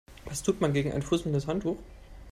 Was tut man gegen ein fusselndes Handtuch?